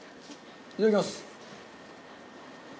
いただきます。